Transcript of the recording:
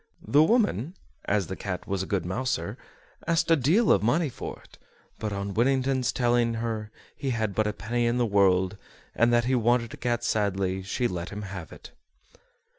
The woman (as the cat was a good mouser) asked a deal of money for it, but on Whittington's telling her he had but a penny in the world, and that he wanted a cat sadly, she let him have it.